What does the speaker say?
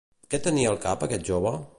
Qui tenia al cap aquest jove?